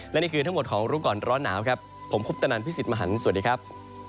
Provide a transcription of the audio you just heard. และนี่คือทั้งหมดของรู้ก่อนร้อนหนาวครับผมคุปตนันพี่สิทธิ์มหันฯสวัสดีครับ